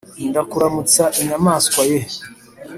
ndakuramutsa inyamaswa ye